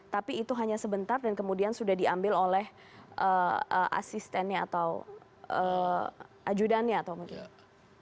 tapi itu hanya sebentar dan kemudian sudah diambil oleh asistennya atau ajudannya atau mungkin